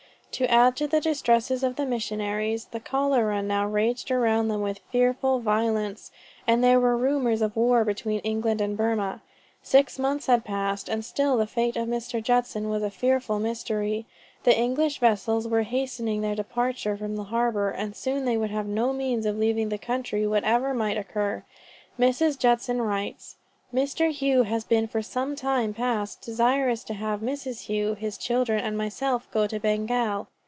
To add to the distresses of the missionaries, the cholera now raged around them with fearful violence and there were rumors of war between England and Burmah. Six months had passed, and still the fate of Mr. Judson was a fearful mystery. The English vessels were hastening their departure from the harbor and soon they would have no means of leaving the country, whatever might occur. Mrs. Judson writes: "Mr. Hough has been for some time past desirous to have Mrs. Hough, his children and myself go to Bengal.